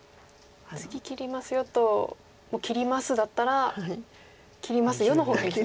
「次切りますよ」と「もう切ります」だったら「切りますよ」の方がいいんです。